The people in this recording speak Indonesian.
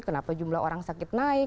kenapa jumlah orang sakit naik